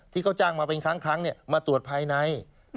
ที่เขาจ้างมาเป็นครั้งมาตรวจภายใน